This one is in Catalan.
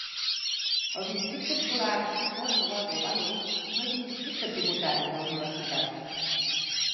El districte escolar Conewago Valley no és un districte tributari de la universitat.